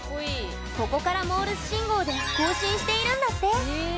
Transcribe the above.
ここからモールス信号で交信しているんだって！